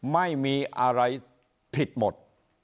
ไม่มีอะไรผิดหมด